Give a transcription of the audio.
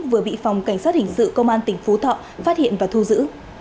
vừa bị phòng cảnh sát hình sự công an tỉnh phú thọ phát hiện và thu giữ